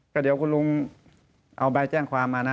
ก็เดี๋ยวคุณลุงเอาใบแจ้งความมานะ